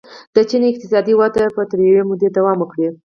د چین اقتصادي وده به تر یوې مودې دوام وکړي.